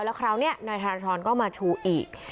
แล้วคราวนี้นายธนทรก็มาชูอีก